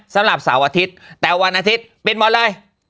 สำหรับเสาร์อาทิตย์แต่วันอาทิตย์ปิดหมดเลย